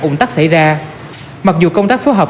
ủng tắc xảy ra mặc dù công tác phối hợp